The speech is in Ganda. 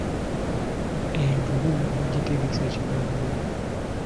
Envubu bagitegesa kigembo.